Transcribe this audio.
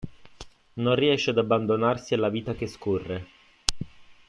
Non riesce ad abbandonarsi alla vita che scorre.